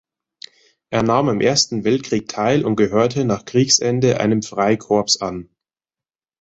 Er nahm am Ersten Weltkrieg teil und gehörte nach Kriegsende einem Freikorps an.